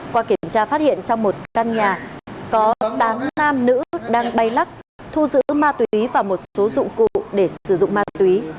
qua kiểm tra phát hiện trong một căn nhà có tám nam nữ đang bay lắc thu giữ ma túy và một số dụng cụ để sử dụng ma túy